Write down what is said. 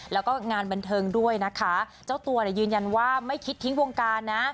แล้วก็งานบันเทิงด้วยนะคะเจ้าตัวยืนยันว่าไม่คิดทิ้งวงการนะ